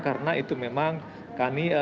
karena itu memang kami